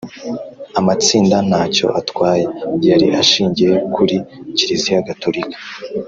amatsinda nta cyo atwaye yari ashingiye kuri Kiriziya gatorika